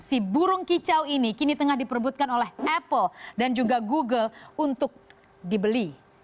si burung kicau ini kini tengah diperbutkan oleh apple dan juga google untuk dibeli